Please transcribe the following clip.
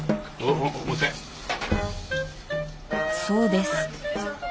そうです。